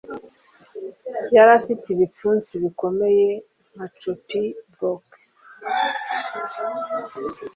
Yari afite ibipfunsi bikomeye nka choppin 'blok,